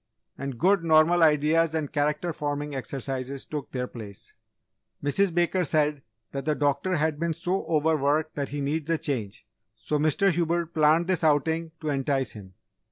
And good normal ideas and character forming exercises took their place. "Mrs. Baker said, that the doctor has been so over worked that he needs a change, so Mr. Hubert planned this outing to entice him.